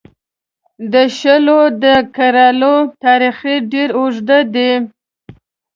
د شولو د کرلو تاریخ یې ډېر اوږد دی.